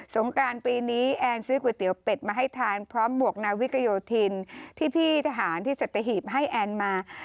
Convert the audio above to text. งการปีนี้แอนซื้อก๋วยเตี๋ยวเป็ดมาให้ทานพร้อมบวกนาวิกโยธินที่พี่ทหารที่สัตหีบให้แอนมา